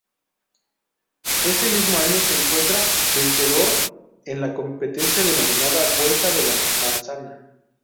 Ese mismo año se encuentra vencedor en la competencia denominada Vuelta de la Manzana.